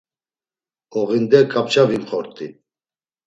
Oğinde kapça vimxort̆i.